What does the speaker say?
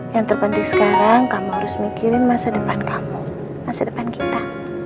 yang terpenting sekarang kamu harus mikirin masa depan kamu masa depan kita